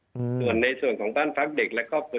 ส่วนในส่วนของบ้านพักเด็กและครอบครัว